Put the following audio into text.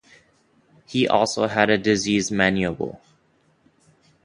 He also had a diseased mandible.